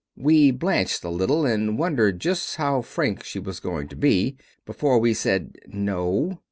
We blanched a little and wondered just how frank she was going to be before we said "No."